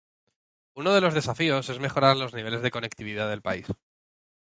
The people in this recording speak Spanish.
Uno de los desafíos es mejorar los niveles de conectividad del país.